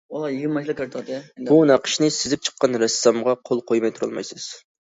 بۇ نەقىشنى سىزىپ چىققان رەسسامغا قول قويماي تۇرالمايسىز.